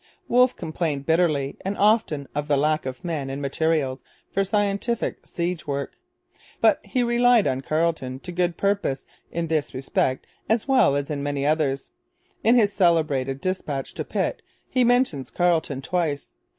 Wolfe complained bitterly and often of the lack of men and materials for scientific siege work. But he 'relied on Carleton' to good purpose in this respect as well as in many others. In his celebrated dispatch to Pitt he mentions Carleton twice.